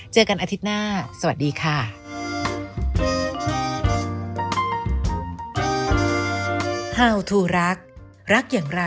เจอกันอาทิตย์หน้าสวัสดีค่ะ